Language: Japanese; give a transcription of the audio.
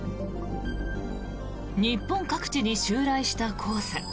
日本各地に襲来した黄砂。